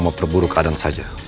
memperburuk adan saja